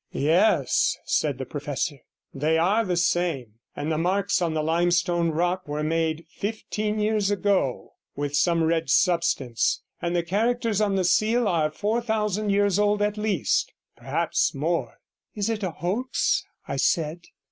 'Yes,' said the professor, 'they are the same. And the marks on the limestone rock were made fifteen years ago, with some red substance. And the characters on the seal are four thousand years old at least. Perhaps much more.' 'Is it a hoax?' I said.